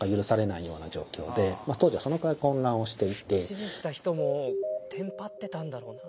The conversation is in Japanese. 指示した人もテンパってたんだろうな。